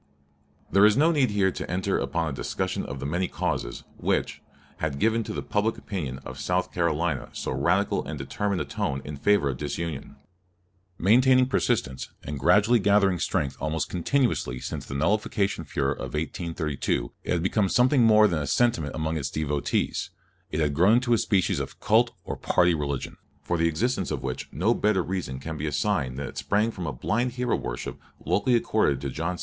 There is no need here to enter upon a discussion of the many causes which, had given to the public opinion of South Carolina so radical and determined a tone in favor of disunion. Maintaining persistence, and gradually gathering strength almost continuously since the nullification furor of 1832, it had become something more than a sentiment among its devotees: it had grown into a species of cult or party religion, for the existence of which no better reason can be assigned than that it sprang from a blind hero worship locally accorded to John C.